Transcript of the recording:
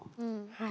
はい！